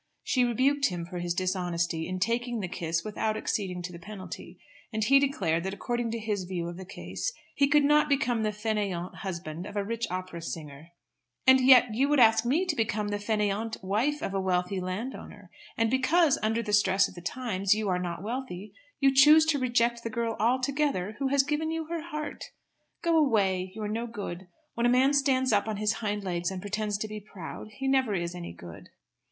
She rebuked him for his dishonesty, in taking the kiss without acceding to the penalty, and he declared that according to his view of the case, he could not become the fainéant husband of a rich opera singer. "And yet you would ask me to become the fainéante wife of a wealthy landowner. And because, under the stress of the times, you are not wealthy you choose to reject the girl altogether who has given you her heart. Go away. You are no good. When a man stands up on his hind legs and pretends to be proud he never is any good."